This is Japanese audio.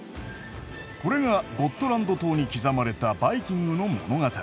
これがゴットランド島に刻まれたバイキングの物語。